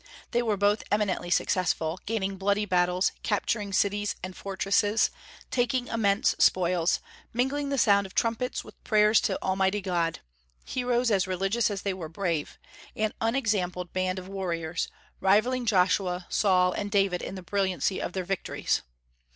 They were both eminently successful, gaining bloody battles, capturing cities and fortresses, taking immense spoils, mingling the sound of trumpets with prayers to Almighty God, heroes as religious as they were brave, an unexampled band of warriors, rivalling Joshua, Saul, and David in the brilliancy of their victories.